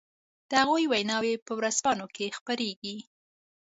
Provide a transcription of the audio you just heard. د هغو ويناوې په ورځپانو کې خپرېږي.